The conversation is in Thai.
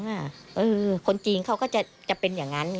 ได้นำเรื่องราวมาแชร์ในโลกโซเชียลจึงเกิดเป็นประเด็นอีกครั้ง